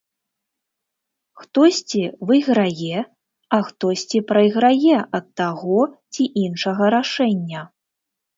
Хтосьці выйграе, а хтосьці прайграе ад таго ці іншага рашэння.